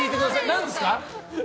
何ですか？